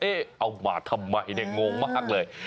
เอามาทำไมเนี่ยงงมากเลย